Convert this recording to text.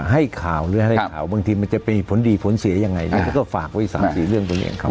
ให้ข่าวหรือให้ข่าวบางทีมันจะเป็นผลดีผลเสียยังไงก็ฝากไว้สามสี่เรื่องตัวเองครับ